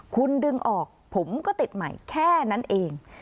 คุณดึงออกผมก็ติดใหม่แค่นั้นเอง